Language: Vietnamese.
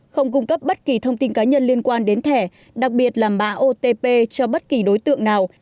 không cung cấp bất kỳ thông tin cá nhân liên quan đến thẻ đặc biệt là mã otp cho bất kỳ đối tượng nào